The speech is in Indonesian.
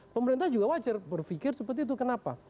pemerintah juga wajar berpikir seperti itu kenapa